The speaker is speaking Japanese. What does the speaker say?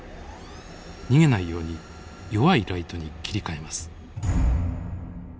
逃げないように弱いライトに切り替えます。